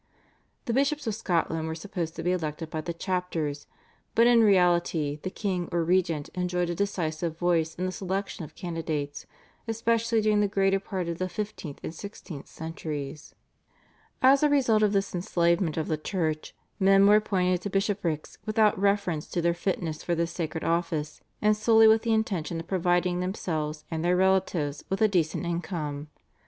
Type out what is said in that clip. The bishops of Scotland were supposed to be elected by the chapters, but in reality the king or regent enjoyed a decisive voice in the selection of candidates especially during the greater part of the fifteenth and sixteenth centuries. As a result of this enslavement of the Church, men were appointed to bishoprics without reference to their fitness for this sacred office, and solely with the intention of providing themselves and their relatives with a decent income.